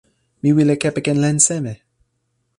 mi wile kepeken len seme?